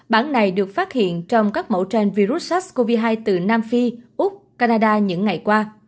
bản này được phát hiện trong các mẫu tranh virus sars cov hai từ nam phi úc canada những ngày qua